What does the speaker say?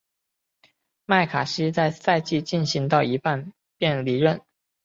麦卡锡在赛季进行到一半便离任。